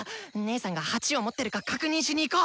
姐さんが鉢を持ってるか確認しに行こう！